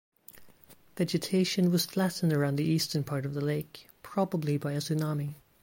Vegetation was flattened around the eastern part of the lake, probably by a tsunami.